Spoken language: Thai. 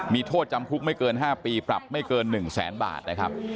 มีโทษจำคุกไม่เกิน๕ปีปรับไม่เกิน๑แสนบาทนะครับ